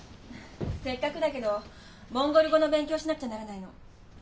せっかくだけどモンゴル語の勉強をしなくちゃならないの。